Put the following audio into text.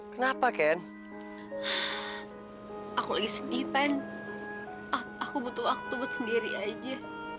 kenapa ken aku sedih pen aku butuh waktu sendiri aja